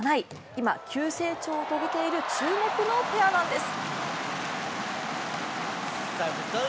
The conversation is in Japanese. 今、急成長を遂げている注目のペアなんです。